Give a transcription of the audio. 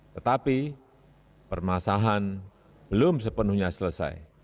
tetapi permasalahan belum sepenuhnya selesai